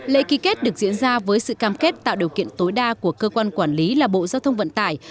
lễ ký kết được diễn ra với sự cam kết tạo điều kiện tối đa của cơ quan quản lý là bộ giao thông vận tải